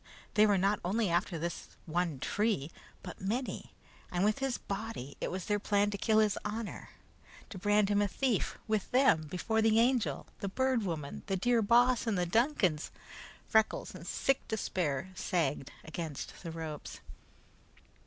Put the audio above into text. They were not only after this one tree, but many, and with his body it was their plan to kill his honor. To brand him a thief, with them, before the Angel, the Bird Woman, the dear Boss, and the Duncans Freckles, in sick despair, sagged against the ropes.